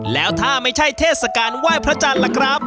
แล้วถ้าไม่ใช่เทศกาลไหว้พระจันทร์ล่ะครับ